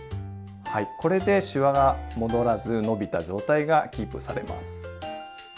はいこれでしわが戻らず伸びた状態がキープされます。